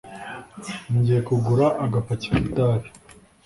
Ngiye kugura agapaki k'itabi.